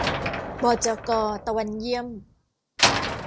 บจก.ตวันเยี่ยม